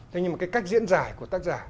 thế nhưng mà cái cách diễn giải của tác giả